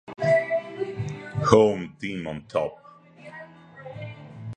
Home team on top.